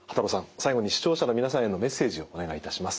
最後に視聴者の皆さんへのメッセージをお願いいたします。